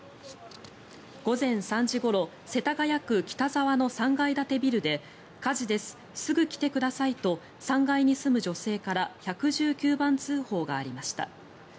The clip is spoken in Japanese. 午前３時ごろ世田谷区北沢の３階建てビルで火事ですすぐ来てくださいと３階に住む女性から１１９番通報がありました。